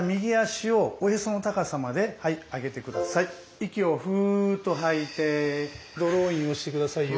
息をふっと吐いてドローインをして下さいよ。